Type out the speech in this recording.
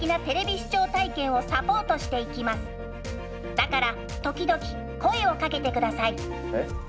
だから時々声をかけて下さい。え？